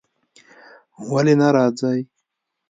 ولی نه راځی ؟